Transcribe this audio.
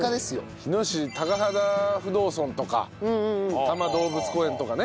日野市高幡不動尊とか多摩動物公園とかね。